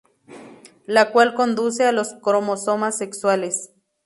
La cual conduce a los cromosomas sexuales.